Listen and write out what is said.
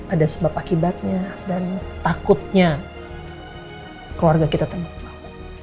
ada sebab akibatnya dan takutnya keluarga kita terlalu mauk